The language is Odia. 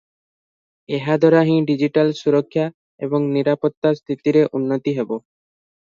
ଏହା ଦ୍ୱାରା ହିଁ ଡିଜିଟାଲ ସୁରକ୍ଷା ଏବଂ ନିରାପତ୍ତା ସ୍ଥିତିରେ ଉନ୍ନତି ହେବ ।